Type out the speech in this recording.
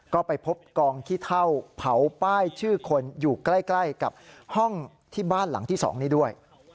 ก็ไปพบกองขี้เท่าเผาป้ายชื่อคนอยู่ใกล้กับห้องที่บ้านหลังที่๒นี้ด้วย